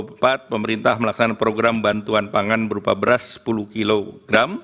untuk di tahun dua ribu dua puluh empat pemerintah melaksanakan program bantuan pangan berupa beras sepuluh kg